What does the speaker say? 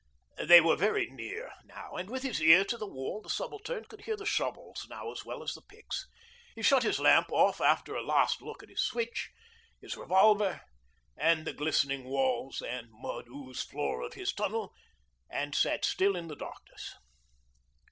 They were very near now, and with his ear to the wall the Subaltern could hear the shovels now as well as the picks. He shut his lamp off after a last look at his switch, his revolver, and the glistening walls and mud ooze floor of his tunnel, and sat still in the darkness.